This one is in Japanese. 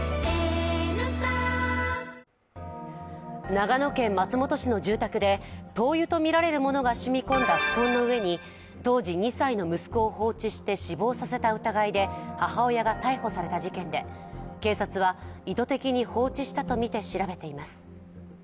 長野県松本市の住宅で灯油とみられるものが染み込んだ布団の上に当時２歳の息子を放置して死亡させた疑いで母親が逮捕された事件で、警察は意図的に放置したとみて調べています。